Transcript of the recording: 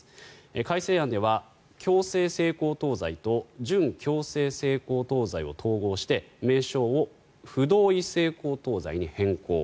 改正案では強制性交等罪と準強制性交等罪を統合して名称を不同意性交等罪に変更。